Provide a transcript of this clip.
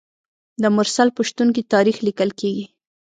د مرسل په شتون کې تاریخ لیکل کیږي.